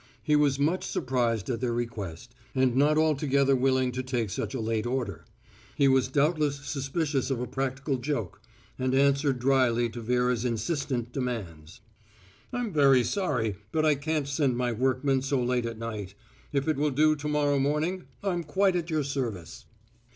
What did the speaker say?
He was much surprised at their request, and not altogether willing to take such a late order. He was doubtless suspicious of a practical joke, and answered dryly to Vera's insistent demands: "I'm very sorry. But I can't send my workmen so far at night. If it will do to morrow morning, I'm quite at your service."